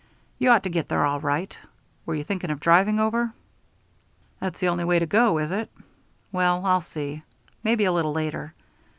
You ought to get there all right. Were you thinking of driving over?" "That's the only way to go, is it? Well, I'll see. Maybe a little later.